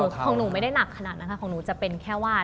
ของหนูไม่ได้หนักขนาดนั้นค่ะของหนูจะเป็นแค่ว่า